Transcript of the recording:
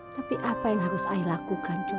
tapi apa yang harus ai lakukan